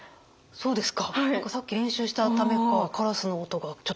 そうですね。